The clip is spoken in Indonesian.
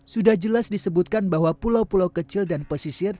sudah jelas disebutkan bahwa pulau pulau kecil dan pesisir